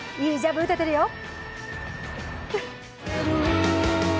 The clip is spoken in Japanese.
いいジャブ打ててるよ。